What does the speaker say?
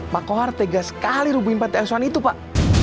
pak kohar tegas sekali rubuhin panti aswan itu pak